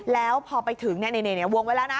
แล้วพอไปถึงวงไว้แล้วนะ